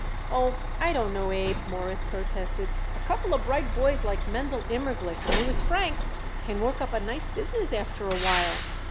"Oh, I don't know, Abe," Morris protested. "A couple of bright boys like Mendel Immerglick and Louis Frank can work up a nice business after a while."